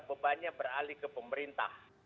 bebannya beralih ke pemerintah